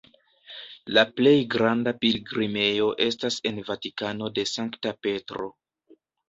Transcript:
La plej granda pilgrimejo estas en Vatikano de Sankta Petro.